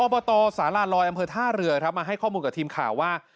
บตสาลาลอยอำเภอท่าเรือครับมาให้ข้อมูลกับทีมข่าวว่า